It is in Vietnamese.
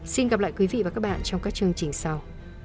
xin gặp lại quý vị và các bạn trong các chương trình sau